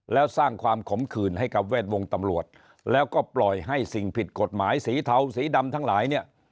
แล้วสร้างความขมขื่นให้กับแวดวงตำรวจแล้วก็ปล่อยให้สิ่งผิดกฎหมายสีเทาสีดำทั้งหลายเนี่ย